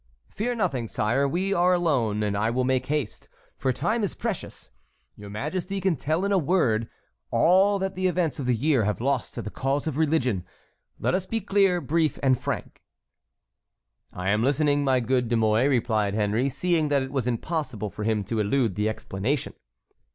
"Fear nothing, sire, we are alone, and I will make haste, for time is precious. Your majesty can tell in a word all that the events of the year have lost to the cause of religion. Let us be clear, brief, and frank." "I am listening, my good De Mouy," replied Henry, seeing that it was impossible for him to elude the explanation.